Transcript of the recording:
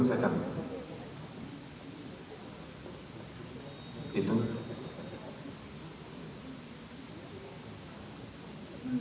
dari mana tadi